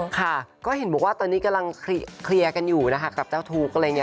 ค่ะก็เห็นบอกว่าตอนนี้กำลังเคลียร์กันอยู่นะคะกับเจ้าทุกข์อะไรอย่างนี้